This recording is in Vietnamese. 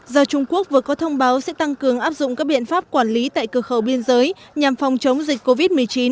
do trung quốc vừa có thông báo sẽ tăng cường áp dụng các biện pháp quản lý tại cửa khẩu biên giới nhằm phòng chống dịch covid một mươi chín